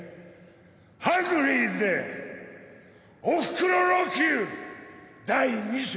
ハングリーズで『おふくろロックユー第二章』！